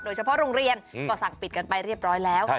โรงเรียนก็สั่งปิดกันไปเรียบร้อยแล้ว